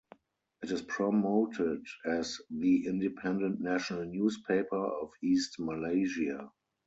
It is promoted as the "Independent National Newspaper of East Malaysia".